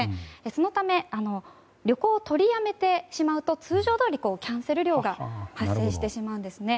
そのため、旅行を取りやめてしまうと通常どおりキャンセル料が発生してしまうんですね。